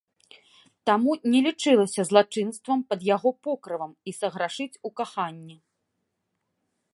Таму не лічылася злачынствам пад яго покрывам і саграшыць у каханні.